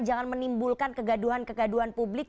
jangan menimbulkan kegaduhan kegaduhan publik